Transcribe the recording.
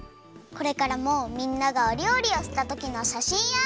これからもみんながおりょうりをしたときのしゃしんや。